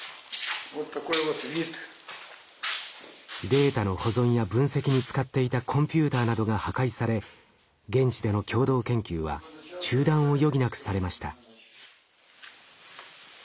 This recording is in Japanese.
データの保存や分析に使っていたコンピューターなどが破壊され現地での共同研究は中断を余儀なくされました。